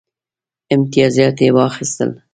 امتیازات یې واخیستل.